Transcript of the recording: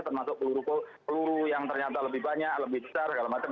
termasuk peluru yang ternyata lebih banyak lebih besar segala macam